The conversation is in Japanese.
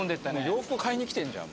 洋服買いに来てんじゃん。